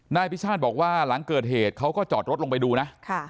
นายพิชาติบอกว่าหลังเกิดเหตุเขาก็จอดรถลงไปดูนะ